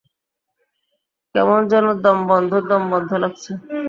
কেমন যেন দম-বন্ধ দম-বন্ধ লাগছে।